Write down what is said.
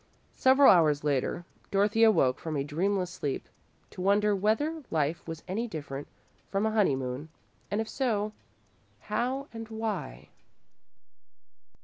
Several hours later, Dorothy awoke from a dreamless sleep to wonder whether life was any different from a honeymoon, and if so, how and why.